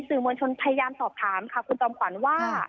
สื่อมวลชนพยายามสอบถามค่ะคุณจอมขวัญว่า